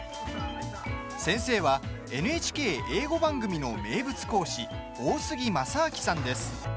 先生は、ＮＨＫ英語番組の名物講師・大杉正明さんです。